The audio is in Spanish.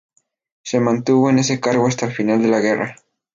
Se mantuvo en ese cargo hasta el final de la guerra.